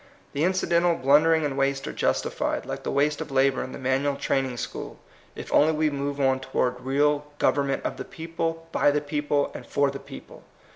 The incidental blundering and waste are justified, like the waste of lumber in the manual training school, if only we move on toward real " government of the people, by the people, and for the people."